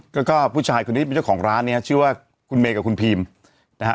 ก็ผู้ชายคนนี้เป็นเจ้าของร้านเนี่ยชื่อว่าคุณเมย์กับคุณพีมนะฮะ